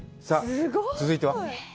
さあ、続いては？